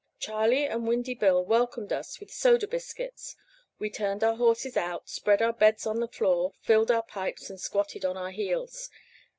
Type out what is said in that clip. Charley and Windy Bill welcomed us with soda biscuits. We turned our horses out, spread our beds on the floor, filled our pipes, and squatted on our heels.